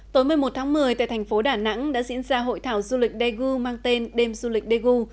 tối một mươi một tháng một mươi tại thành phố đà nẵng đã diễn ra hội thảo du lịch daegu mang tên đêm du lịch daegu